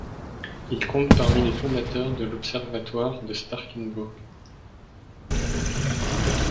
Il compte parmi les fondateurs de l'observatoire de Starkenburg.